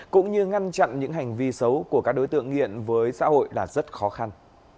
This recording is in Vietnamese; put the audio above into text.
cũng như ngăn chặn những hành vi xấu của các đối tượng nghiện với xã hội là rất khó khăn